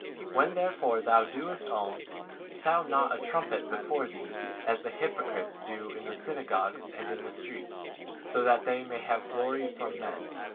When therefore thou doest alms, sound not a trumpet before thee, as the hypocrites do in the synagogues and in the streets, so that they may have glory from men.